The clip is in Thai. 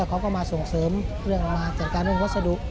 เขาก็มาส่งเสริมจัดการเรื่องวัสดุ